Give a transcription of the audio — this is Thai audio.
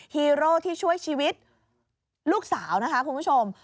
ฮีโร่ที่ช่วยชีวิตลูกสาวนะคะคุณผู้ชม